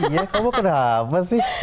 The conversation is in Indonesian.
iya kamu kenapa sih